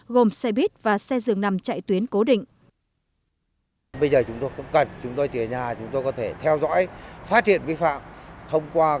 gồm xe buýt và xe dường nằm chạy tuyến cố định